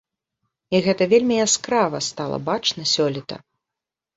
І гэта вельмі яскрава стала бачна сёлета.